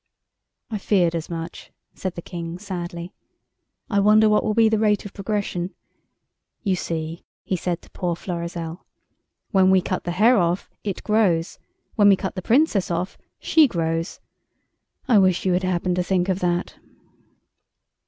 "I feared as much," said the King, sadly. "I wonder what will be the rate of progression. You see," he said to poor Florizel, "when we cut the hair off it grows—when we cut the Princess off she grows. I wish you had happened to think of that!"